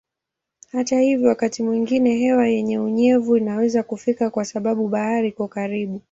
Hata hivyo wakati mwingine hewa yenye unyevu inaweza kufika kwa sababu bahari iko karibu.